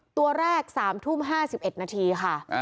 ตัวแรก๓ทุ่ม๕๑นาทีค่ะ